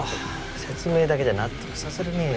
説明だけじゃ納得させられねえよ。